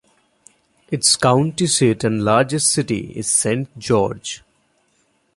Its county seat and largest city is Saint George.